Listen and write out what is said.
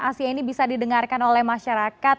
asia ini bisa didengarkan oleh masyarakat